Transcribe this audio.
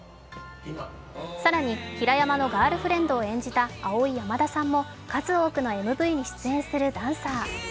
更に、平山のガールフレンドを演じたアオイヤマダさんも数多くのＭＶに出演するダンサー。